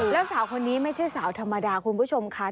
แล้วสาวคนนี้ไม่ใช่สาวธรรมดาคุณผู้ชมค่ะ